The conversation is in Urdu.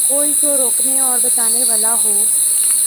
کوئی تو روکنے اور بتانے والا ہو۔